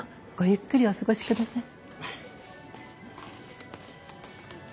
ゆっくりお過ごしください。